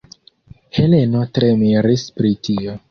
Heleno tre miris pri tio.